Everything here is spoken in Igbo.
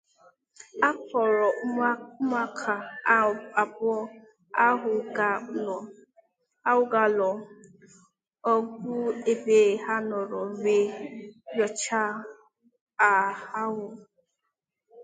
a kpọrọ ụmụaka abụọ ahụ gaa ụlọ ọgwụ ebe a nọrọ wee nyochaa ha ahụ